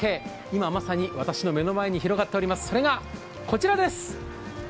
今、まさに私の目の前に広がっています、それがこちらです